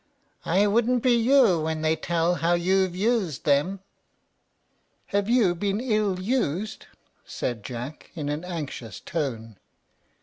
"I wouldn't be you when they tell how you've used them." "Have you been ill used?" said Jack, in an anxious tone.